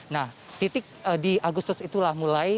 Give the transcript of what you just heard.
nah titik di agustus itulah mulai